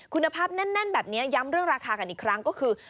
คุณภาพแน่นแบบนี้ย้ำเรื่องราคากันอีกครั้งก็คือ